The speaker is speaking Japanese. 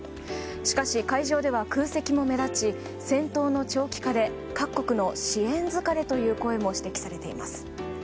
しかし、会場では空席も目立ち戦闘の長期化で各国の支援疲れという声も指摘されています。